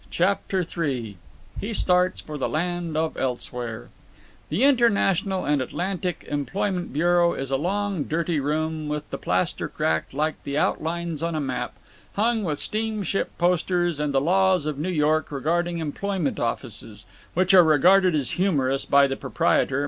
CHAPTER III HE STARTS FOR THE LAND OF ELSEWHERE The International and Atlantic Employment Bureau is a long dirty room with the plaster cracked like the outlines on a map, hung with steamship posters and the laws of New York regarding employment offices, which are regarded as humorous by the proprietor, M.